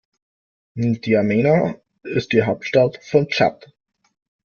N’Djamena ist die Hauptstadt von Tschad.